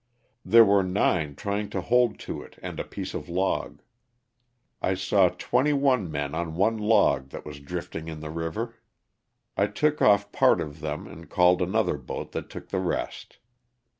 There were nine trying to hold to it and a piece of log. I saw |iwenty one men on one log that was drifting in the 224 LOSS OF THE SULTANA. river. I took off part of them and called another boat that took the rest.